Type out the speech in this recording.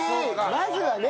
まずはね。